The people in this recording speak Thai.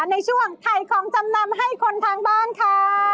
ในช่วงถ่ายของจำนำให้คนทางบ้านค่ะ